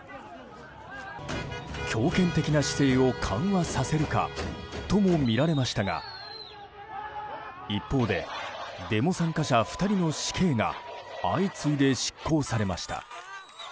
強権的な姿勢を緩和させるかともみられましたが一方で、デモ参加者２人の死刑が相次いで執行されました。